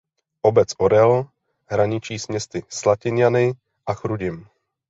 Obec Orel hraničí s městy Slatiňany a Chrudim.